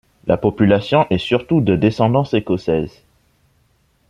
La population est surtout de descendance écossaise.